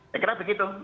saya kira begitu